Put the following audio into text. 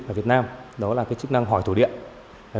ở việt nam đó là cái chức năng hỏi thổ địa